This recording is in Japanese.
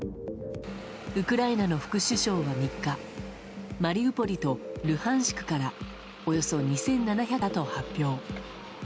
ウクライナの副首相は３日マリウポリとルハンシクからおよそ２７００人を避難させたと発表。